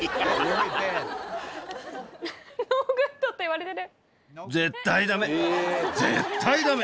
ノーグッドって言われてる。